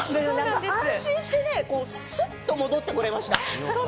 安心してすっと戻ってこれました。